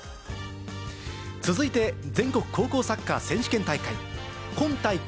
続いて、全国高校サッカー選手権大会。